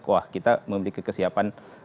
wah kita memiliki kesiapan